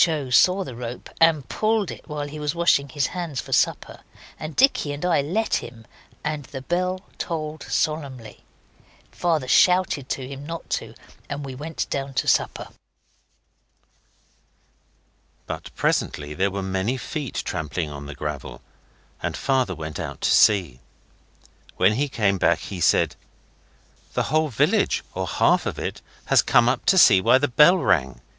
O. saw the rope and pulled it while he was washing his hands for supper, and Dicky and I let him, and the bell tolled solemnly. Father shouted to him not to, and we went down to supper. But presently there were many feet trampling on the gravel, and Father went out to see. When he came back he said 'The whole village, or half of it, has come up to see why the bell rang.